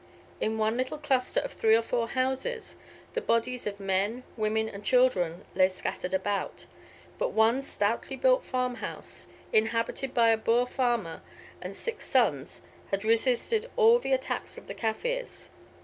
In one little cluster of three or four houses, the bodies of men, women, and children lay scattered about; but one stoutly built farmhouse, inhabited by a Boer farmer and six sons, had resisted all the attacks of the Kaffirs.